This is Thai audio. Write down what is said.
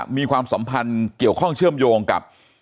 มีความสัมพันธ์เกี่ยวข้องเชื่อมโยงกับ